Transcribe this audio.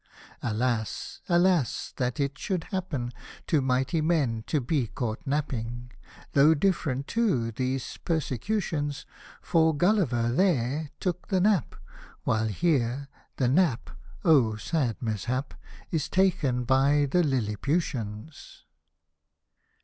Alas, alas I that it should happen To mighty men to be caught napping !— Though different, too, these persecutions ; For Gulliver, there^ took the nap, While, here the Nap^ oh sad mishap, Is taken by the Lilliputians